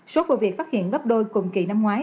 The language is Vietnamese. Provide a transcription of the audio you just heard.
số vụ việc phát hiện gấp đôi cùng kỳ năm ngoái